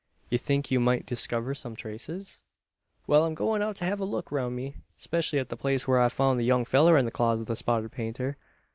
"You think you might discover some traces?" "Wal; I'm goin' out to hev a look 'roun' me speecially at the place whur I foun' the young fellur in the claws o' the spotted painter.